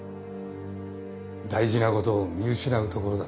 大事なことを見失うところだった。